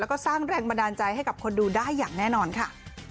แล้วก็สร้างแรงบันดาลใจให้กับคนดูได้อย่างแน่นอนค่ะ